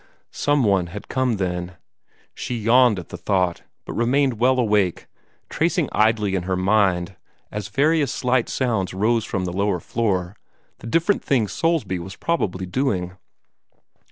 Somebody had come, then. She yawned at the thought, but remained well awake, tracing idly in her mind, as various slight sounds rose from the lower floor, the different things Soulsby was probably doing.